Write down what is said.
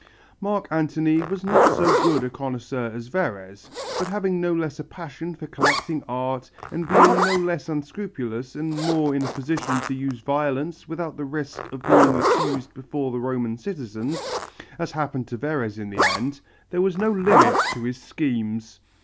Mark Antony was not so good a connoisseur as Verres, but having no less a passion for collecting art and being no less unscrupulous and more in a position to use violence without the risk of being accused before the Roman citizens, as happened to Verres in the end, there was no limit to his schemes.